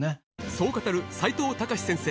そう語る齋藤孝先生